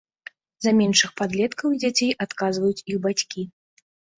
За меншых падлеткаў і дзяцей адказваюць іх бацькі.